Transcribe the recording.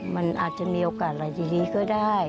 มันอาจจะมีโอกาสอะไรดีก็ได้